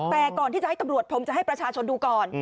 แต่ก่อนที่จะให้ตำรวจผมจะให้ประชาชนดูก่อน